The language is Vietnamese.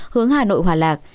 hướng hà nội hoàn lạc